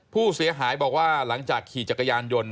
ผู้เสียหายบอกว่าหลังจากขี่จักรยานยนต์